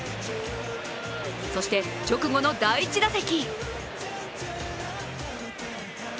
そして、直後の第１打席。